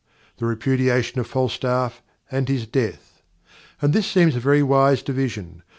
The Repudiation of Falstaff and his Death and this seems a very wise division.